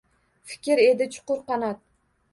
Fikr edi uchqur qanot